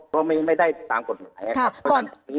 ก็ไม่ได้ตามกฎแผล